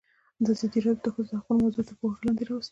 ازادي راډیو د د ښځو حقونه موضوع تر پوښښ لاندې راوستې.